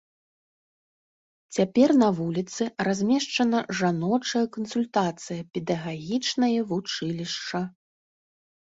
Цяпер на вуліцы размешчана жаночая кансультацыя, педагагічнае вучылішча.